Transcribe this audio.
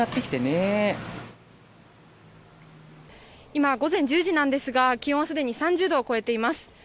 今、午前１０時なんですが気温はすでに３０度を超えています。